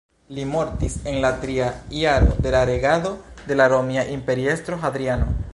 Li mortis en la tria jaro de la regado de la romia imperiestro Hadriano.